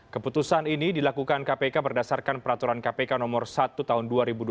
keputusan ini dilakukan kpk berdasarkan peraturan kpk no satu tahun dua ribu dua puluh